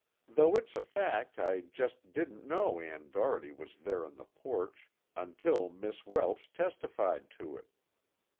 Though it's a fact I just didn't know Ann Doherty was there on the porch, until Miss Welsh testified to it.